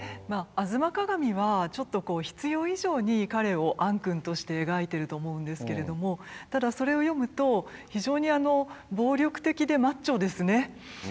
「吾妻鏡」はちょっと必要以上に彼を暗君として描いてると思うんですけれどもただそれを読むと非常にあの暴力的でマッチョですね。